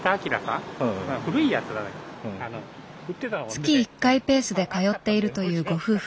月１回ペースで通っているというご夫婦。